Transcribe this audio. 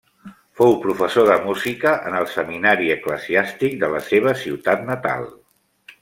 Fou professor de música en el seminari eclesiàstic de la seva ciutat natal.